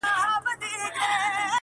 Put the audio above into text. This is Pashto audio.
ملکه له تخته پورته په هوا سوه!.